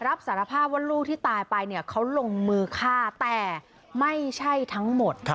รับสารภาพว่าลูกที่ตายไปเนี่ยเขาลงมือฆ่าแต่ไม่ใช่ทั้งหมด